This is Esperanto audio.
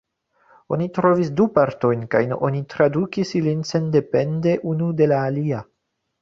Oni trovis du partojn kaj oni tradukis ilin sendepende unu de la alia.